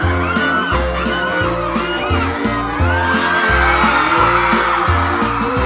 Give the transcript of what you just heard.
เอ้ยมองเห็นบาริโฮะหัวไทยไง